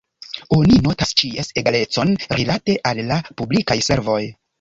Oni notas ĉies egalecon rilate al la publikaj servoj.